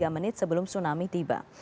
tiga menit sebelum tsunami tiba